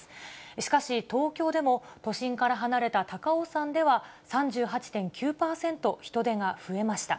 しかし、東京でも、都心から離れた高尾山では、３８．９％、人出が増えました。